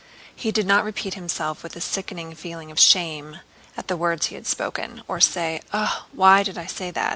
He did not repeat to himself with a sickening feeling of shame the words he had spoken, or say: "Oh, why did I not say that?"